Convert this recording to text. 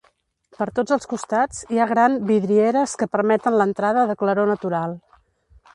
Per tots els costats hi ha gran vidrieres que permeten l'entrada de claror natural.